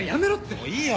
もういいよ！